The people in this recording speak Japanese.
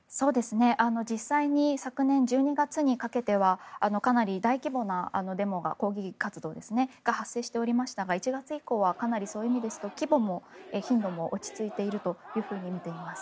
実際に昨年１２月にかけてはかなり大規模な抗議活動が発生しておりましたが１月以降はかなりそういう意味ですと規模も頻度も落ち着いているというふうに見ています。